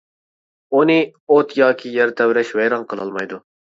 ئۇنى ئوت ياكى يەر تەۋرەش ۋەيران قىلالمايدۇ.